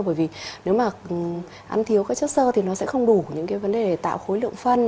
bởi vì nếu mà ăn thiếu các chất sơ thì nó sẽ không đủ những cái vấn đề để tạo khối lượng phân